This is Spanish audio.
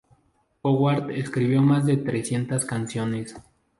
Coward escribió más de trescientas canciones.